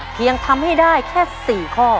เพียงทำให้ได้แค่๔ข้อ